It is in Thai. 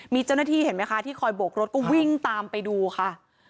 มีเจ้าหน้าที่เห็นไหมคะที่คอยโบกรถก็วิ่งตามไปดูค่ะ